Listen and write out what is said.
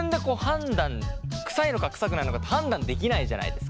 臭いのか臭くないのかって判断できないじゃないですか。